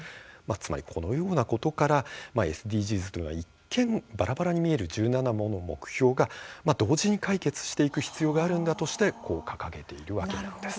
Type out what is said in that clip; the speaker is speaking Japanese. つまり、このようなことからＳＤＧｓというのは一見ばらばらに見える１７もの目標が同時に解決していく必要があるんだとして掲げているわけなんです。